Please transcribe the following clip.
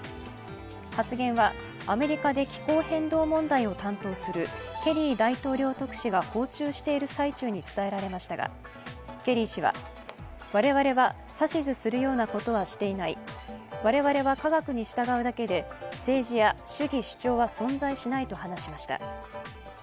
発言はアメリカで気候変動問題を担当するケリー大統領特使が訪中している最中に伝えられましたが、ケリー氏は我々は指図するようなことはしていない我々は科学に従うだけで政治や主義主張は存在しないと話しました。